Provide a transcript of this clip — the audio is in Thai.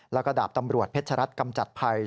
แล้วก็ดาบตำรวจเพชรรัฐกำจัดภัย